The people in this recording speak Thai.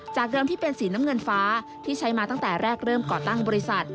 เดิมที่เป็นสีน้ำเงินฟ้าที่ใช้มาตั้งแต่แรกเริ่มก่อตั้งบริษัท